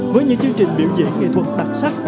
với những chương trình biểu diễn nghệ thuật đặc sắc